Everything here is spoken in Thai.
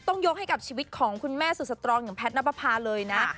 ต้องยกให้กับชีวิตของคุณแม่สุดสตรองอย่างแพทย์นับประพาเลยนะ